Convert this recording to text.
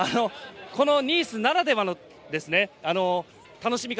ニースならではの楽しみ方